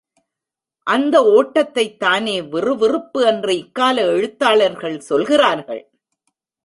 அந்த ஓட்டத்தைத்தானே விறுவிறுப்பு என்று இக்கால எழுத்தாளர்கள் சொல்கிறார்கள்?